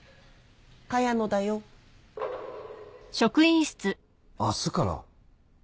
茅野だよ明日から？